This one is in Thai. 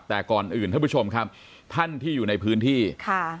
แต่ก่อนอื่นท่านผู้ชมครับท่านที่อยู่ในพื้นที่ค่ะ